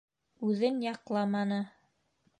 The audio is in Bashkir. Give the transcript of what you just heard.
Үҙен яҡламаны.